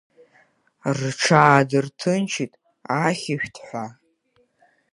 Рҽаадырҭынчит ахьышәҭҳәа.